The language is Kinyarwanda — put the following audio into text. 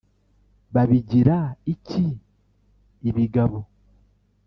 babigira iki ibigabo